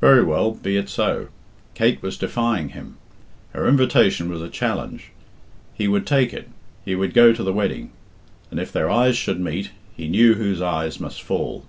Very well, be it so. Kate was defying him. Her invitation was a challenge. He would take it; he would go to the wedding. And if their eyes should meet, he knew whose eyes must fall.